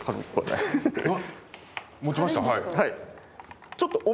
持ちましたはい。